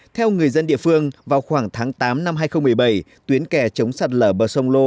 theo người dân địa phương vào khoảng tháng tám năm hai nghìn một mươi bảy tuyến kè chống sạt lở bờ sông lô